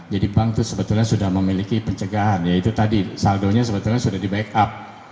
jadi bank itu sebetulnya sudah memiliki pencegahan ya itu tadi saldonya sebetulnya sudah di backup